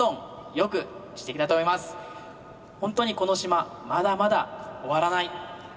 ほんとにこの島まだまだ終わらない。